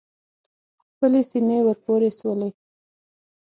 خپلې سینې ور پورې سولوي.